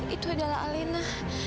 itu adalah alena